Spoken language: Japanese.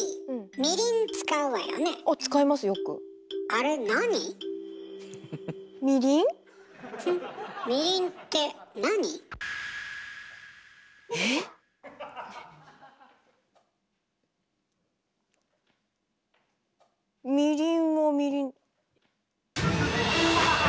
みりんはみりん。